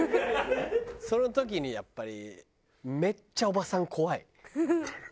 その時にやっぱりわかる。